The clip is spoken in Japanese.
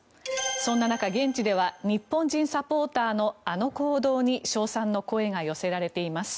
そんな中、現地では日本人サポーターのあの行動に称賛の声が寄せられています。